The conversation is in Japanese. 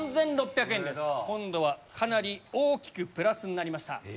今度はかなり大きくプラスになりました。